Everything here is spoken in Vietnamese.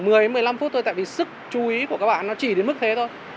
từ một mươi đến một mươi năm phút thôi tại vì sức chú ý của các bạn nó chỉ đến mức thế thôi